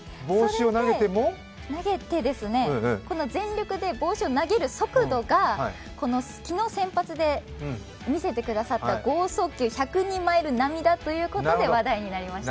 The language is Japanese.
全力で帽子を投げる速度が、昨日先発で見せてくださった剛速球、１０２マイル並みだということで話題になりました。